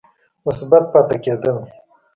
مثبت پاتې کېد ل